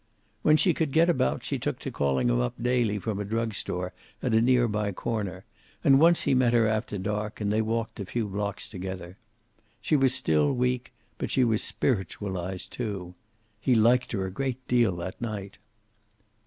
When she could get about she took to calling him up daily from a drug store at a near by corner, and once he met her after dark and they walked a few blocks together. She was still weak, but she was spiritualized, too. He liked her a great deal that night.